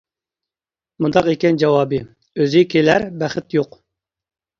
مۇنداق ئىكەن جاۋابى: ئۆزى كېلەر بەخت يوق.